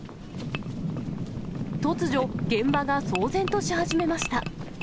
突如、現場が騒然とし始めました。